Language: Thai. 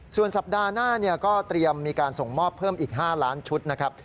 ส่วนสัปดาห์หน้าก็เตรียมมีการส่งมอบเพิ่มอีก๕ล้านชุดนะครับ